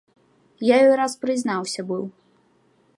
Я ёй раз прызнаўся быў.